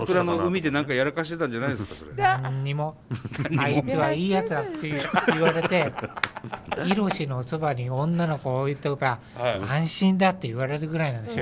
「あいつはいいやつだ」って言われて「ヒロシのそばに女の子を置いときゃ安心だ」って言われるぐらいなんです。